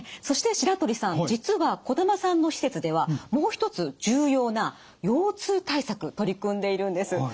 そして白鳥さん実は児玉さんの施設ではもう一つ重要な腰痛対策取り組んでいるんです。